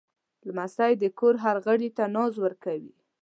لمسی د کور هر غړي ته ناز ورکوي.